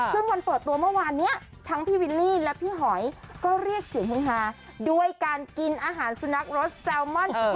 ซึ่งวันเปิดตัวเมื่อวานนี้ทั้งพี่วิลลี่และพี่หอยก็เรียกเสียงฮือฮาด้วยการกินอาหารสุนัขรสแซลมอน